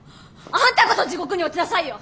あんたこそ地獄に落ちなさいよ！